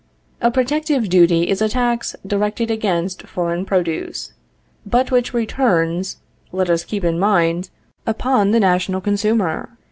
A protective duty is a tax directed against foreign produce, but which returns, let us keep in mind, upon the national consumer.